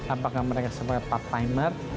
apakah mereka sebagai part primer